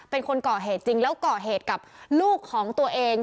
เป็นคนก่อเหตุจริงแล้วก่อเหตุกับลูกของตัวเอง